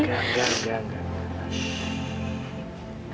enggak enggak enggak